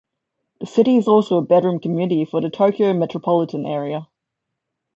The city is also a bedroom community for the Tokyo metropolitan area.